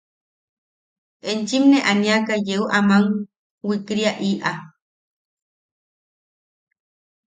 Enchim nee aniaka yeu am wikriaʼiʼa.